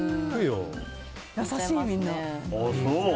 優しい、みんな。